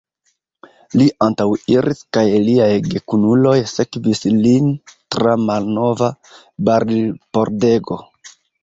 Li antaŭiris, kaj liaj gekunuloj sekvis lin tra malnova barilpordego.